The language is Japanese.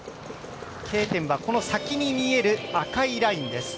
Ｋ点はこの先に見える、赤いラインです。